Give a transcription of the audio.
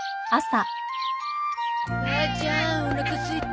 母ちゃんおなかすいた。